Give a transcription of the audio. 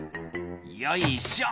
「よいしょ」